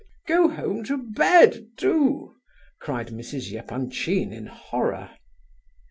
Go home to bed, do!" cried Mrs. Epanchin in horror.